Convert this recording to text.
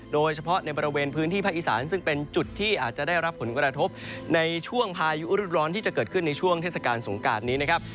โดยเฉพาะในบริเวณพื้นที่ภาคอีสานซึ่งเป็นจุดที่อาจจะได้รับผลกระทบในช่วงพายุรุดร้อนที่จะเกิดขึ้นในช่วงเทศกาลสงการนี้นะครับ